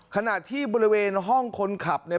ขณะที่บริเวณห้องคนขับเนี่ย